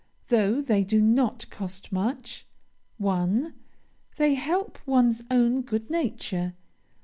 Though they do not cost much. 1. They help one's own good nature.